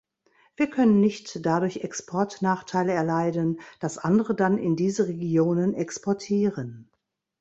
Wir können nicht dadurch Exportnachteile erleiden, dass andere dann in diese Regionen exportieren.